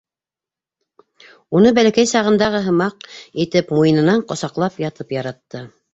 — Уны бәләкәй сағындағы һымаҡ итеп муйынынан ҡосаҡлап ятып яратты.